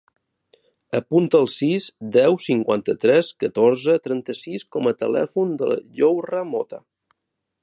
Apunta el sis, deu, cinquanta-tres, catorze, trenta-sis com a telèfon de la Yousra Mota.